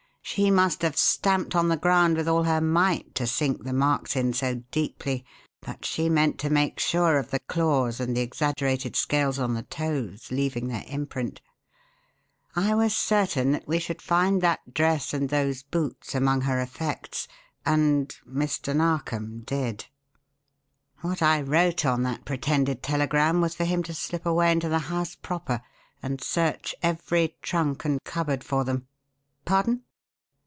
She must have stamped on the ground with all her might, to sink the marks in so deeply but she meant to make sure of the claws and the exaggerated scales on the toes leaving their imprint. I was certain we should find that dress and those boots among her effects; and Mr. Narkom did. What I wrote on that pretended telegram was for him to slip away into the house proper and search every trunk and cupboard for them. Pardon?